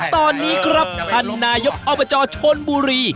ตอนนี้ครับอันนายกเอาประจอชนบุรี